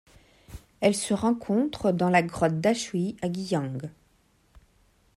Elle se rencontre dans la grotte Dashui à Guiyang.